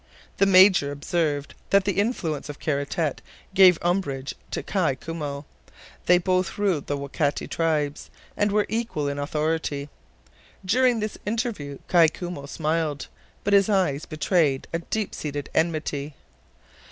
The Major observed that the influence of Kara Tete gave umbrage to Kai Koumou. They both ruled the Waikato tribes, and were equal in authority. During this interview Kai Koumou smiled, but his eyes betrayed a deep seated enmity.